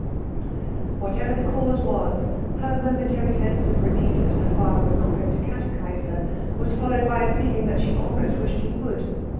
Whatever the cause was, her momentary sense of relief that her father was not going to catechize her was followed by a feeling that she almost wished he would.